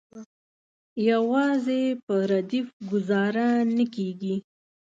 یوازې په ردیف ګوزاره نه کیږي.